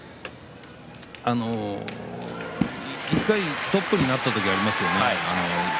１回トップになった時がありますよね。